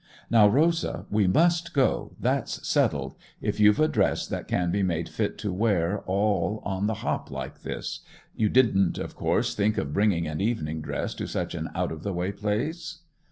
'Now, Rosa, we must go—that's settled—if you've a dress that can be made fit to wear all on the hop like this. You didn't, of course, think of bringing an evening dress to such an out of the way place?